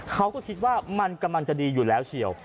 เขาก็คิดว่ามันกำลังจะดีอยู่แล้วเชียว